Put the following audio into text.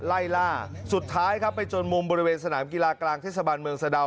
ไล่ล่าสุดท้ายครับไปจนมุมบริเวณสนามกีฬากลางเทศบาลเมืองสะดาว